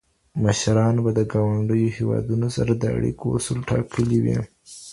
مشرانو به د ګاونډيو هېوادونو سره د اړيکو اصول ټاکلي وي.